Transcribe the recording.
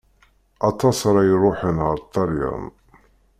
Aṭas ara iṛuḥen ar Ṭelyan.